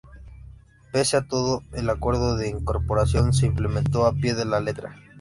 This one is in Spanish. Pese a todo, el acuerdo de incorporación se implementó al pie de la letra.